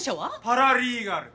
パラリーガル。